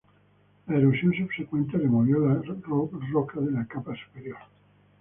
La erosión subsecuente removió la roca de la capa superior.